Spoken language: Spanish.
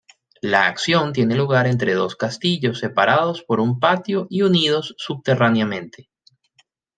La acción tiene lugar entre dos castillos separados por un patio y unidos subterráneamente.